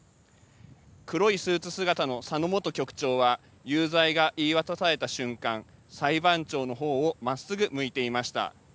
黒いスーツ姿の佐野元局長は有罪が言い渡された瞬間、裁判長のほうをまっすぐ向いていました。